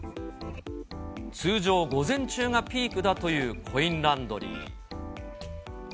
通常、午前中がピークだというコインランドリー。